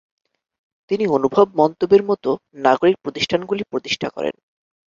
তিনি অনুভব মন্তবের মতো নাগরিক প্রতিষ্ঠানগুলি প্রতিষ্ঠা করেন।